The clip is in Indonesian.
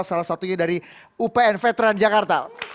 salah satunya dari upn veteran jakarta